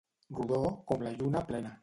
Rodó com la lluna plena.